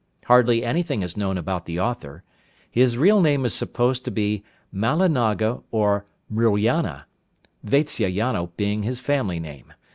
Hardly anything is known about the author. His real name is supposed to be Mallinaga or Mrillana, Vatsyayana being his family name.